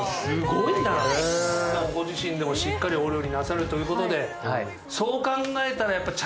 ご自身でもしっかりお料理なさるということで。